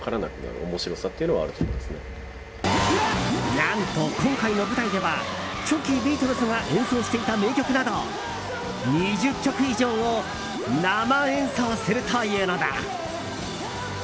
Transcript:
何と今回の舞台では初期ビートルズが演奏してきた名曲など、２０曲以上を生演奏するというのだ。